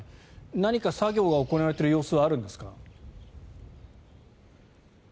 何か作業が行われている様子はあるんですか？